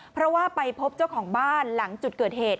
เพราะว่าไปพบเจ้าของบ้านหลังจุดเกิดเหตุ